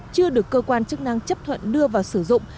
chưa được cơ quan chức năng chấp thuận đưa vào sử dụng